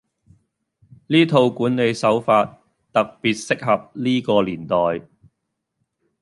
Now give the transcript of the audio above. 呢套管理手法特別適合呢個年代